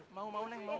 mau mau neng mau